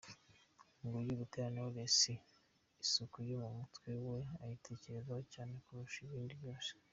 Nguyu Butera Knowless, isuku yo mu mutwe we ayitekerezaho cyane kurusha ibindi byose.